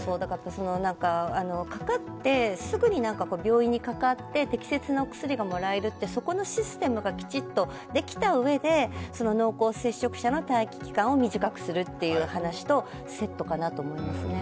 かかってすぐに病院にかかって、適切なお薬がもらえるってそこのシステムがきちんとできたうえで濃厚接触者の待機期間を短くするという話とセットかなと思うんですね。